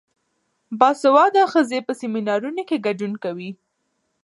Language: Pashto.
باسواده ښځې په سیمینارونو کې ګډون کوي.